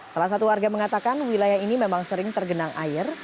salah satu warga mengatakan wilayah ini memang sering tergenang air